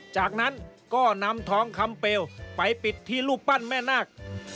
จากนั้นก็นำทองคำเปลวไปปิดที่รูปปั้นแม่นาค